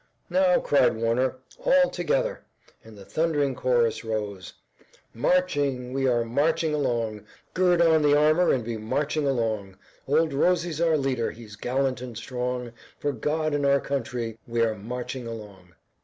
"Now," cried Warner, "all together." And the thundering chorus rose: "Marching, we are marching along, Gird on the armor and be marching along; Old Rosey's our leader, he's gallant and strong; For God and our country we are marching along."